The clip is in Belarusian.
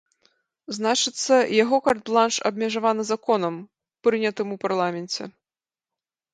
Значыцца, яго карт-бланш абмежаваны законам, прынятым у парламенце.